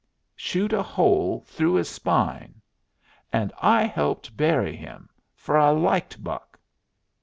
Shoot a hole through his spine. And I helped bury him; fer I liked Buck."